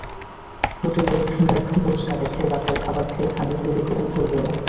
হোটেলে ব্যাগ-বোঁচকা রেখে রাতের খাবার খেয়ে খানিক এদিক- ওদিক ঘুরল ওরা।